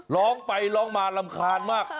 ร้องไปร้องมารำคาญมาก